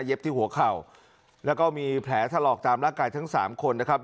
ที่หัวเข่าแล้วก็มีแผลถลอกตามร่างกายทั้งสามคนนะครับ